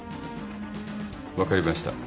分かりました。